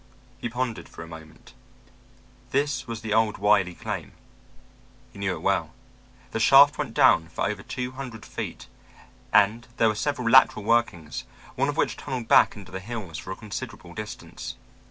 He pondered for a moment. This was the old Wiley claim. He knew it well. The shaft went down for over two hundred feet, and there were several lateral workings, one of which tunneled back into the hills for a considerable distance.